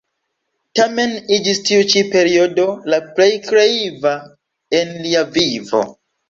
Tamen iĝis tiu ĉi periodo la plej kreiva en lia vivo.